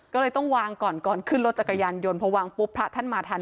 ก็เลยต้องวางก่อนก่อนขึ้นรถจักรยานยนต์พอวางปุ๊บพระท่านมาทัน